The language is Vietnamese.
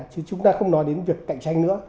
chứ chúng ta không nói đến việc cạnh tranh nữa